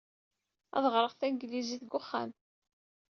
Ad ɣreɣ tanglizit deg wexxam.